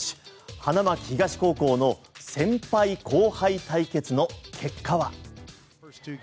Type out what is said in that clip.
花巻東高校の先輩後輩対決の結果は？